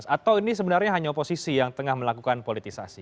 atau ini sebenarnya hanya oposisi yang tengah melakukan politisasi